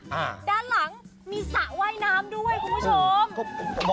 ด้านหลังมีสระว่ายน้ำด้วยคุณผู้ชมครับ